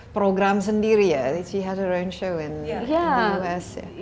program sendiri ya dia punya show sendiri di amerika